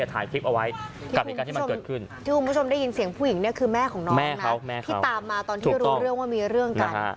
ที่รู้เรื่องว่ามีเรื่องกัน